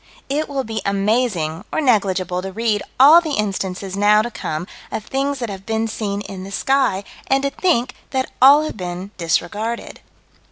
It will be amazing or negligible to read all the instances now to come of things that have been seen in the sky, and to think that all have been disregarded.